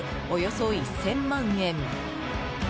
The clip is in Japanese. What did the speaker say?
およそ１０００万円。